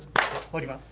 掘ります。